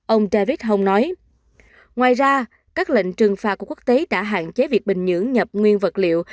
ông david hon nói ngoài ra các lệnh trừng phạt của quốc tế đã hạn chế việc bình nhưỡng nhập nguyên vật liệu